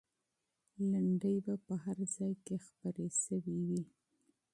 لنډۍ به په هر ځای کې خپرې سوې وي.